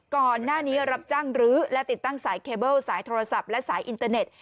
ก่อนหน้านี้รับจ้างรื้อและติดตั้งสายเคเบิลสายโทรศัพท์และสายอินเตอร์เน็ต